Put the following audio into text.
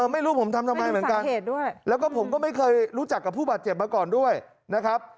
ไม่รู้ผมทำทำไมเหมือนกันแล้วก็ผมก็ไม่เคยรู้จักกับผู้บาดเจ็บมาก่อนด้วยนะครับ